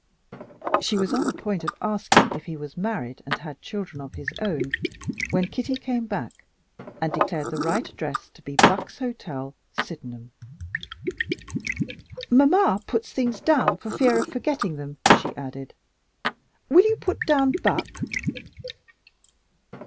She was on the point of asking if he was married, and had children of his own, when Kitty came back, and declared the right address to be Buck's Hotel, Sydenham. "Mamma puts things down for fear of forgetting them," she added. "Will you put down Buck?"